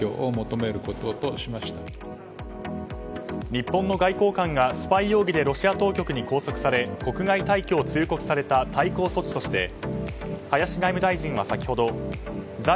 日本の外交官がスパイ容疑でロシア当局に拘束され国外退去を通告された対抗措置として林外務大臣は先ほど在